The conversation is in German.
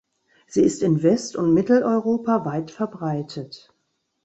Sie ist in West- und Mitteleuropa weit verbreitet.